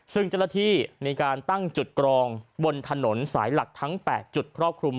ซึ่งเจ้าหน้าที่มีการตั้งจุดกรองบนถนนสายหลักทั้ง๘จุดครอบคลุม